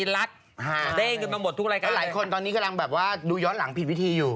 แล้วหลายคนกำลังแบบว่าดูย้อนหลังผิดวิธีอยู่